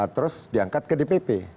terus diangkat ke dpp